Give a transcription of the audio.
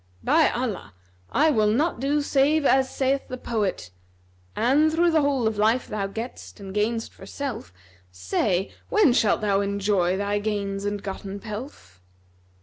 By Allah, I will not do save as saith the poet, 'An through the whole of life * Thou gett'st and gain'st for self; Say, when shalt thou enjoy * Thy gains and gotten pelf?'"